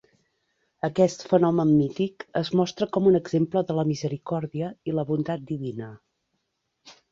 Aquest fenomen mític es mostra com un exemple de la misericòrdia i la bondat divina.